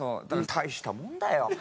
大したもんだよ。